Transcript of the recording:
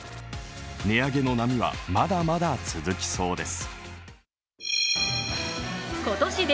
値上げの波はまだまだ続きそうです。